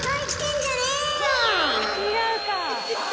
違うか。